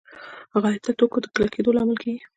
غایطه توکو د کلکېدو لامل کېږي.